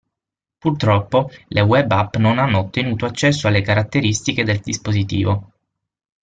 Purtroppo, le web app non hanno ottenuto accesso alle caratteristiche del dispositivo.